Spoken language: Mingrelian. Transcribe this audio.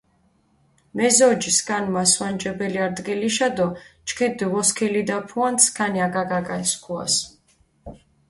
მეზოჯი სქანი მასვანჯებელი არდგილიშა დო ჩქი დჷვოსქილიდაფუანთ სქანი აკა კაკალი სქუას.